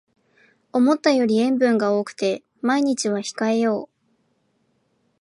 思ったより塩分が多くて毎日は控えよう